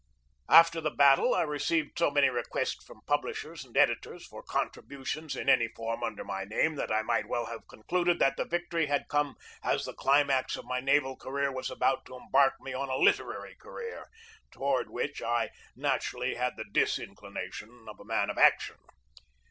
After the battle I received so many requests from publishers and editors for contributions in any form under my name that I might well have con cluded that the victory which had come as the climax of my naval career was about to embark me on a literary career, toward which I naturally had the dis inclination of a man of action.